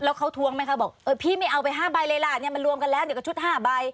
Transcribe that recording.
แล้วเขาทวงไหมคะบอกเออพี่ไม่เอาไป๕ใบเลยล่ะเนี่ยมันรวมกันแล้วเนี่ยกับชุด๕ใบ